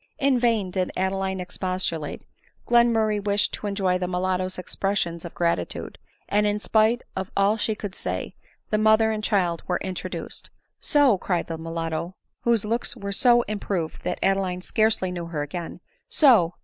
9 ' In vain did Adeline expostulate — Glenmurray wished to enjoy the mulatto's expressions of gratitude ; and, in spite of all she could say, the mother and child were in troduced. " So !" cried the mulatto,/ (whose looks were so im proved that Adeline scarcely knew her again,) " So